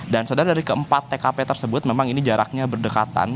dan saudara dari keempat tkp tersebut memang ini jaraknya berdekatan